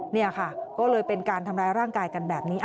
นี่ค่ะก็เลยเป็นการทำร้ายร่างกายกันแบบนี้